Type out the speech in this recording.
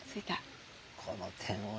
この点をね